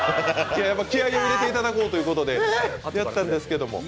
気合いで売れていただこうということでやったんですけど。